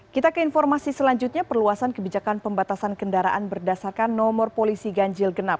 kita ke informasi selanjutnya perluasan kebijakan pembatasan kendaraan berdasarkan nomor polisi ganjil genap